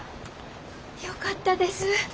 よかったです。